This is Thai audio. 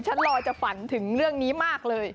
ลอยจะฝันถึงเรื่องนี้มากเลย